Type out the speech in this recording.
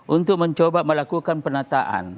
untuk mencoba melakukan penataan